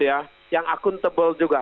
ya yang akuntabel juga